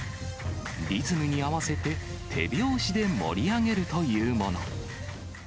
リズムに合わせて、手拍子で盛り上げるというもの。